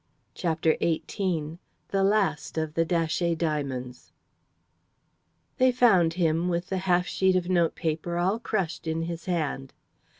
CHAPTER XVIII THE LAST OF THE DATCHET DIAMONDS They found him, with the half sheet of notepaper all crushed in his hand.